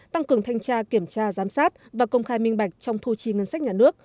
tăng cường thanh tra kiểm tra giám sát và công khai minh bạch trong thu chi ngân sách nhà nước